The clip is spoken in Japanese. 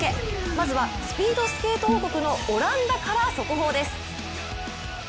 まずはスピードスケート王国のオランダから速報です。